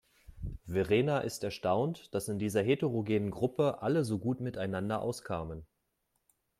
Verena ist erstaunt, dass in dieser heterogenen Gruppe alle so gut miteinander auskamen.